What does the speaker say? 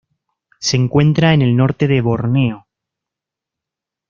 Se encuentran en el norte de Borneo.